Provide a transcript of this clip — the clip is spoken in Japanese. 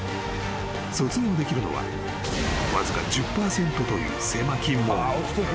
［卒業できるのはわずか１０％という狭き門］